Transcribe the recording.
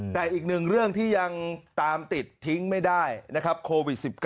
แต่อีกหนึ่งเรื่องที่ยังตามติดทิ้งไม่ได้นะครับโควิด๑๙